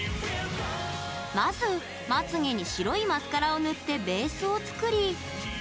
まず、まつげに白いマスカラを塗ってベースを作り。